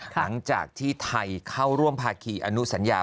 หลังจากที่ไทยเข้าร่วมภาคีอนุสัญญา